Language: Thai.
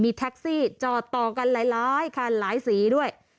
แท็กซี่จอดต่อกันหลายคันหลายสีด้วย